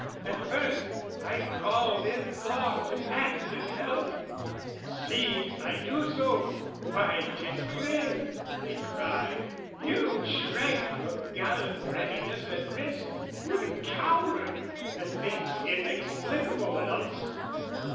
At first, I called in law to act and help: Seeing I do so, "Why, 'tis clear," they cry, "You shrank from gallant readiness and risk, "Were coward: the thing's inexplicable else."